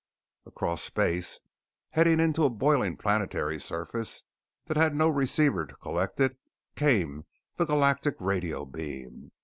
Across space, heading into a boiling planetary surface that had no receiver to collect it, came the Galactic Radio Beam.